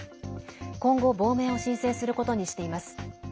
今後、亡命を申請することにしています。